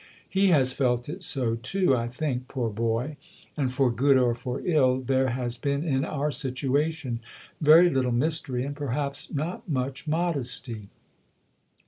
He has felt it so, too, I think, poor boy, and for good or for ill there has been in our situa tion very little mystery and perhaps not much modesty."